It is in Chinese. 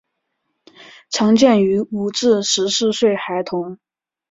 常见于五至十四岁孩童。